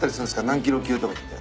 何ｋｇ級とかって。